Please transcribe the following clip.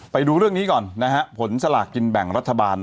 ไปดูเรื่องนี้ก่อนผลสลากกินแบ่งรัฐบาล